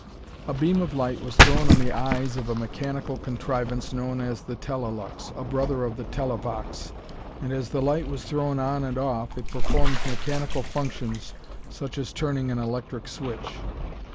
A beam of light was thrown on the "eyes" of a mechanical contrivance known as the "telelux," a brother of the "televox," and as the light was thrown on and off it performed mechanical function such as turning an electric switch.